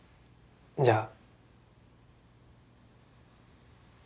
じゃあ。